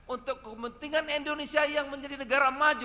untuk kepentingan indonesia yang menjadi negara maju